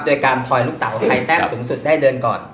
โดยการถอยลูกเต่าไทยแต้มสูงสุดได้เดินก่อน